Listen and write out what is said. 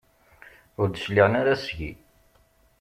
Ur d-cliɛen ara seg-i.